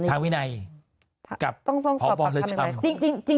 การสาวินัยกับขอบพระรัชธรรม